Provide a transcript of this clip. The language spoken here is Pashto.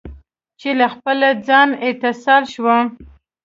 چې له خپل ځان، اتصال شوم